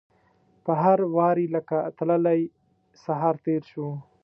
په هر واري لکه تللی سهار تیر شو